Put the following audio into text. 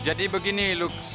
jadi begini lux